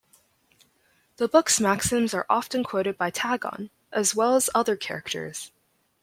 The book's maxims are often quoted by Tagon, as well as other characters.